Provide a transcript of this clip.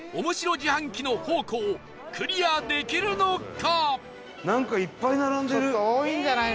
自販機の宝庫をクリアできるのか？